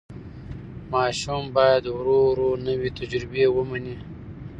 ماشوم باید ورو ورو نوې تجربې ومني.